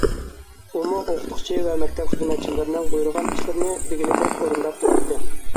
ئۇمۇ ئوقۇتقۇچى ۋە مەكتەپ خىزمەتچىلىرىنىڭ بۇيرۇغان ئىشلىرىنى دېگىنىدەك ئورۇنداپ تۇراتتى.